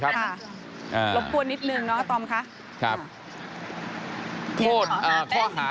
ยอดเงินเท่าไหร่ครับ